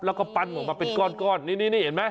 แล้วก็ปั้นออกมาเป็นก้อนนี่เห็นไหม